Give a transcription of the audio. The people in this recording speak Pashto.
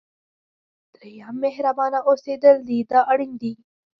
دریم مهربانه اوسېدل دی دا اړین دي.